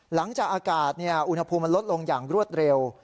หลังจากอากาศอุณหภูมิมันลดลงอย่างรวดเร็ว